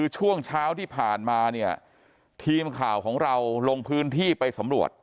ช่วงเช้าที่ผ่านมาเนี่ยทีมข่าวของเราลงพื้นที่ไปสำรวจ